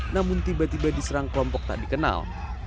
namun tiba tiba diserang kelompok tak dikenal